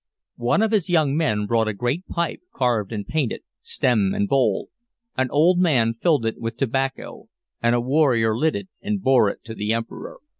One of his young men brought a great pipe, carved and painted, stem and bowl; an old man filled it with tobacco, and a warrior lit it and bore it to the Emperor.